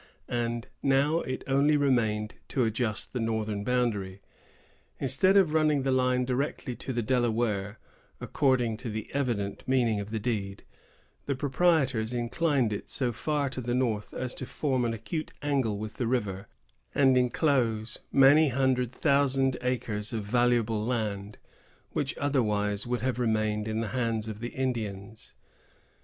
And now it only remained to adjust the northern boundary. Instead of running the line directly to the Delaware, according to the evident meaning of the deed, the proprietors inclined it so far to the north as to form an acute angle with the river, and enclose many hundred thousand acres of valuable land, which would otherwise have remained in the hands of the Indians.